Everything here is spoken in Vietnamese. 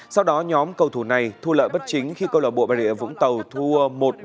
sau đó nhóm cầu thủ này thu lợi bất chính khi câu lọc bộ bà rịa vũng tàu thua một ba